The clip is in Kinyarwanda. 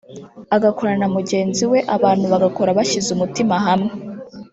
agakorana na mugenzi we; abantu bagakora bashyize umutima hamwe